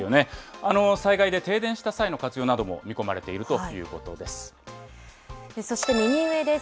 災害で停電した際の活用なども見込まれているということです。